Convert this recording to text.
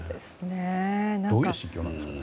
どういう心境なんですかね。